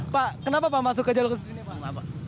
pak kenapa pak masuk ke jalur khusus ini pak